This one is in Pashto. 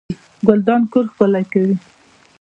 ګلدان کور ښکلی کوي